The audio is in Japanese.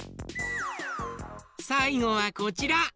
さいごはこちら。